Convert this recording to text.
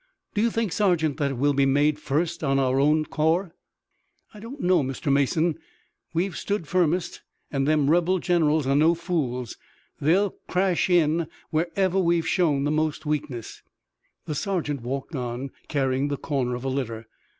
"Do you think, Sergeant, that it will be made first on our own corps?" "I don't know, Mr. Mason. We've stood firmest, and them rebel generals are no fools. They'll crash in where we've shown the most weakness." The sergeant walked on, carrying the corner of a litter.